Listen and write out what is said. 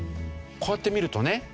こうやって見るとね